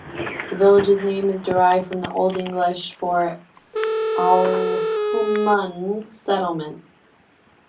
The village's name is derived from the Old English for "Ealhmund's settlement".